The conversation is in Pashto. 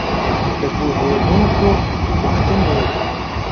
له پوهېدونکو پوښتنې وکړو.